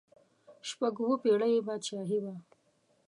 شپږ اووه پړۍ یې بادشاهي وه.